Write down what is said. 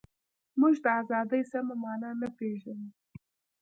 موږ د ازادۍ سمه مانا نه پېژنو.